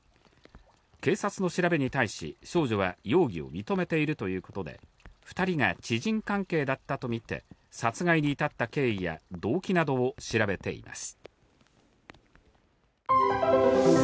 警察の調べに対し、少女は、容疑を認めているということで、２人が知人関係だったと見て、殺害に至った経緯や動機などを調べています。